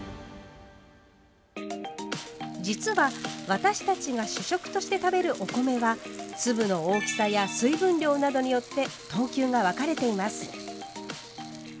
実は私たちが主食として食べるお米は粒の大きさや水分量などによって等級が分かれています。